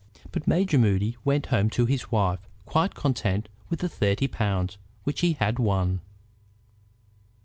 But Major Moody went home to his wife quite content with the thirty pounds which he had won.